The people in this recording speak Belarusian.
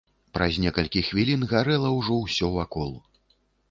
Праз некалькі хвілін гарэла ўжо ўсё вакол.